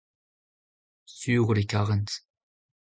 sur out e karent.